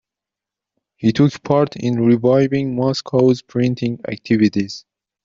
He took part in reviving Moscow's printing activities.